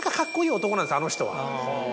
あの人は。